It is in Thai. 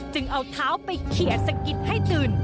เอาเท้าไปเขียสะกิดให้ตื่น